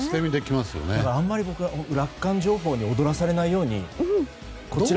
だから、あまり僕は楽観情報に踊らされないように。